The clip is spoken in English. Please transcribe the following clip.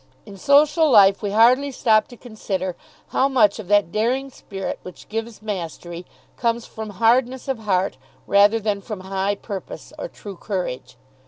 In social life we hardly stop to consider how much of that daring spirit which gives mastery comes from hardness of heart rather than from high purpose, or true courage.